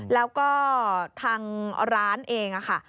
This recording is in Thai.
แล้วก็ทางร้านเองค่ะ